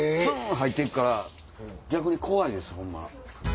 入って行くから逆に怖いですホンマ。